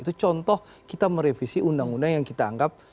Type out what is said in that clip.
itu contoh kita merevisi undang undang yang kita anggap